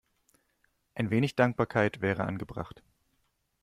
Ein wenig Dankbarkeit wäre angebracht.